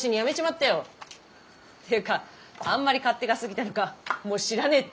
っていうかあんまり勝手がすぎたのかもう知らねえって追い出されちまった。